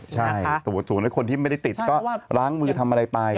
ใช่ตรวจศูนย์คนที่ไม่ได้ติดก็ล้างมือทำอะไรไป